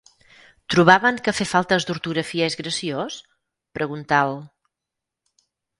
Trobaven que fer faltes d'ortografia és graciós? —preguntà el